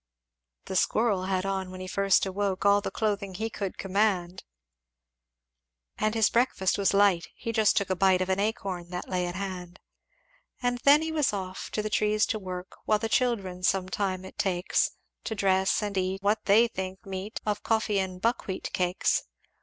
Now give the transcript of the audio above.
"The squirrel had on when he first awoke All the clothing he could command; And his breakfast was light he just took a bite Of an acorn that lay at hand; "And then he was off to the trees to work; While the children some time it takes To dress and to eat what they think meet Of coffee and buckwheat cakes.